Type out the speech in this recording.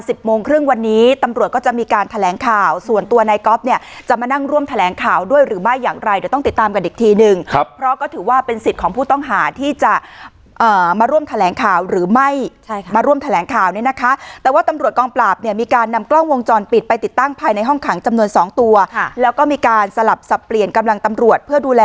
สิบโมงครึ่งวันนี้ตำรวจก็จะมีการแถลงข่าวส่วนตัวนายก๊อฟเนี่ยจะมานั่งร่วมแถลงข่าวด้วยหรือไม่อย่างไรเดี๋ยวต้องติดตามกันอีกทีหนึ่งครับเพราะก็ถือว่าเป็นสิทธิ์ของผู้ต้องหาที่จะเอ่อมาร่วมแถลงข่าวหรือไม่ใช่ค่ะมาร่วมแถลงข่าวนี่นะคะแต่ว่าตำรวจกองปลาบเนี่ยมีการนำกล้องวงจร